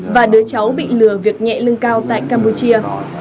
và đứa cháu bị lừa việc nhẹ lương cao tại campuchia